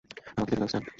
আমাকে যেতে দাও, স্ট্যান।